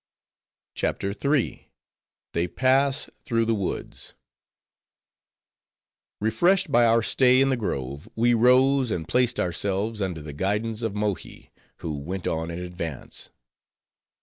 CHAPTER III. They Pass Through The Woods Refreshed by our stay in the grove, we rose, and placed ourselves under the guidance of Mohi; who went on in advance.